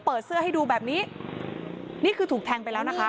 เปิดเสื้อให้ดูแบบนี้นี่คือถูกแทงไปแล้วนะคะ